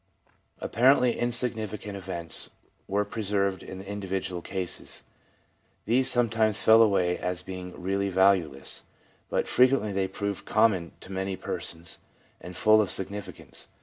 Apparently insigni ficant events were preserved in the individual cases. These sometimes fell away as being really valueless, but frequently they proved common to many persons, and full of significance.